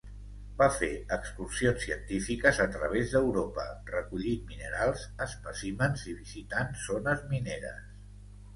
Va fer excursions científiques a través d'Europa, recollint minerals, espècimens i visitant zones mineres.